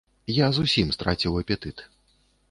Я зусім страціў апетыт.